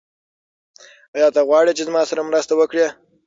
ایا ته غواړې چې زما سره مرسته وکړې؟